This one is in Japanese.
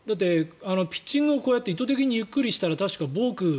ピッチングを意図的にゆっくりしたら確かボーク。